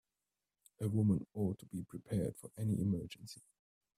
A woman ought to be prepared for any emergency.